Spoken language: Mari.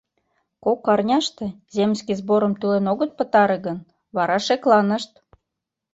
Кок арняште, земский сборым тӱлен огыт пытаре гын, вара шекланышт!